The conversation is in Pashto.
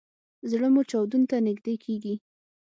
زړه مو چاودون ته نږدې کیږي